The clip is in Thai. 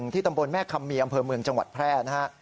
ตำบลแม่คำมีอำเภอเมืองจังหวัดแพร่นะฮะ